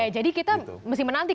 jadi kita mesti menanti